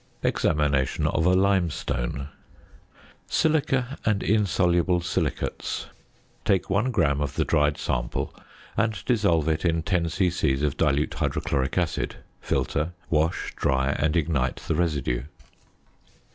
EXAMINATION OF A LIMESTONE. ~Silica and Insoluble Silicates.~ Take one gram of the dried sample and dissolve it in 10 c.c. of dilute hydrochloric acid; filter; wash, dry, and ignite the residue.